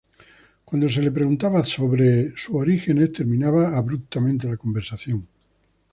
Cuando se le preguntaba acerca de sus orígenes, terminaba abruptamente la conversación.